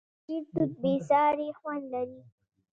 د پنجشیر توت بې ساري خوند لري.